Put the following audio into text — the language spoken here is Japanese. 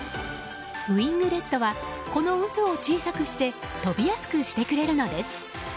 ウィングレットはこの渦を小さくして飛びやすくしてくれるのです。